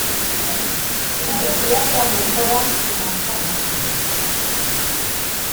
icyo kiyaga mukora ku matama,